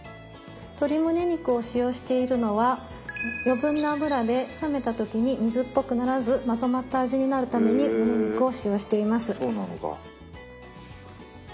鶏むね肉を使用しているのは余分な脂で冷めた時に水っぽくならずまとまった味になるためにむね肉を使用しています。